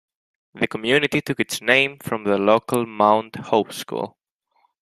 The community took its name from the local Mount Hope School.